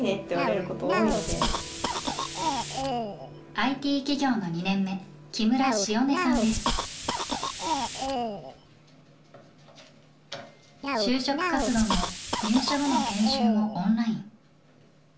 ＩＴ企業の就職活動も入社後の研修もオンライン。